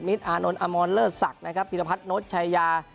มิดอานนท์อามอนเลอร์ศักดิ์นะครับปีรพัฒนธ์โน้ตชายา